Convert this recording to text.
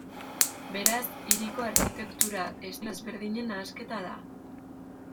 Beraz, hiriko arkitektura estilo desberdinen nahasketa da.